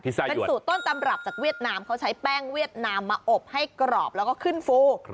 เป็นสูตรต้นตำรับจากเวียดนามเขาใช้แป้งเวียดนามมาอบให้กรอบแล้วก็ขึ้นฟู